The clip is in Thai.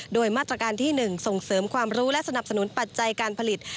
โดยมาตรการที่๑ส่งเสริมความรู้และสนับสนุนปัจจัยการผลิต